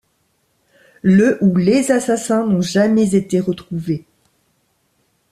Le ou les assassins n'ont jamais été retrouvés.